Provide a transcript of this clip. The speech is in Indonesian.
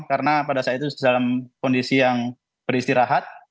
karena pada saat itu dalam kondisi yang beristirahat